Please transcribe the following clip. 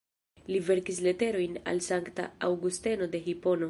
Li verkis leterojn al Sankta Aŭgusteno de Hipono.